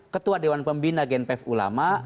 ketua dewan pembina genpef ulama